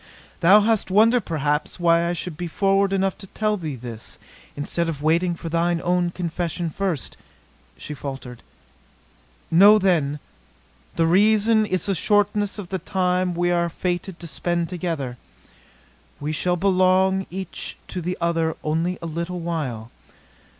"Thou hast wonder, perhaps, why I should be forward enough to tell thee this instead of waiting for thine own confession first," she faltered. "Know, then the reason is the shortness of the time we are fated to spend together. We shall belong each to the other only a little while.